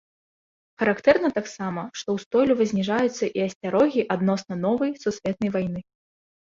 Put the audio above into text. Характэрна таксама, што устойліва зніжаюцца і асцярогі адносна новай сусветнай вайны.